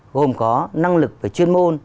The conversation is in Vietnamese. gồm có năng lực và chuyên môn